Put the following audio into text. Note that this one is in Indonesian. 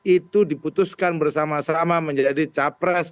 itu diputuskan bersama sama menjadi capres